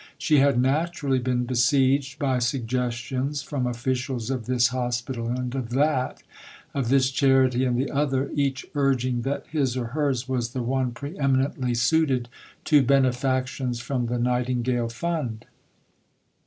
She had naturally been besieged by suggestions from officials of this hospital and of that, of this charity and the other, each urging that his or hers was the one pre eminently suited to benefactions from the Nightingale Fund.